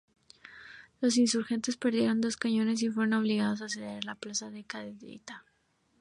Los insurgente perdieron dos cañones y fueron obligados a ceder la plaza de Cadereyta.